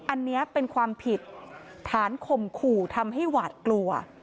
อันนี้เป็นความผิดฐานข่มขู่ทำให้หวาดกลัว